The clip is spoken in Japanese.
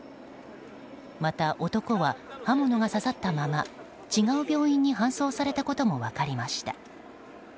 また、男は刃物が刺さったまま違う病院に搬送されたことも分かりました。